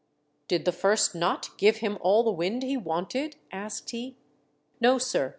" Did the first knot give him all the wind he v/anted ?" asked he. " No, sir.